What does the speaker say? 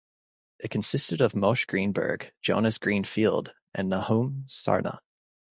It consisted of Moshe Greenberg, Jonas Greenfield and Nahum Sarna.